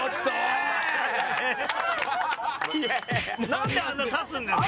なんであんなに立つんですか？